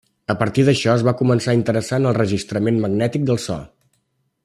A partir d'això es va començar a interessar en el registrament magnètic del so.